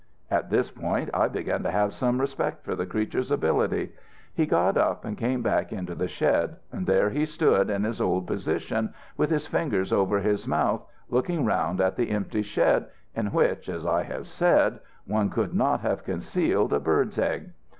"At this point I began to have some respect for the creature's ability. He got up and came back into the shed. And there he stood, in his old position, with his fingers over his mouth, looking round at the empty shed, in which, as I have said, one could not have concealed a bird's egg.